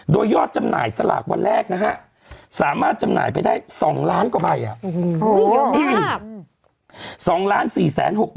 โดยยอดจำหน่ายสลากวันแรกนะฮะสามารถจำหน่ายไปได้๒ล้านกว่าใบ